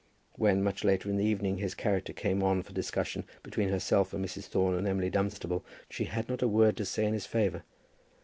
When, much later in the evening, his character came on for discussion between herself and Mrs. Thorne and Emily Dunstable, she had not a word to say in his favour.